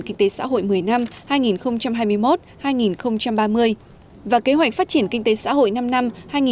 kinh tế xã hội một mươi năm hai nghìn hai mươi một hai nghìn ba mươi và kế hoạch phát triển kinh tế xã hội năm năm